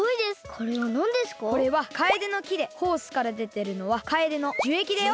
これはカエデの木でホースからでてるのはカエデの樹液だよ。